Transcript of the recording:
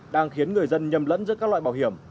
đang khiến người dân nhầm lẫn giữa các loại bảo hiểm